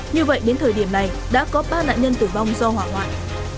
như vậy đến thời điểm này đã có ba nạn nhân tử vong do hỏa hoạn